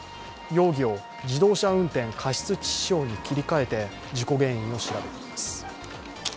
容疑を自動車運転過失致死傷に切り替えて事故原因を調べています。